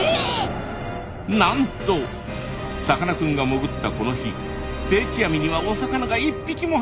なんとさかなクンが潜ったこの日定置網にはお魚が一匹も入っていなかったんです。